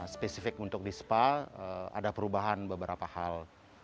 spesifik untuk di spa ada perubahan beberapa hal